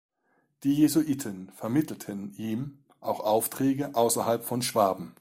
Die Jesuiten vermittelten ihm auch Aufträge außerhalb von Schwaben.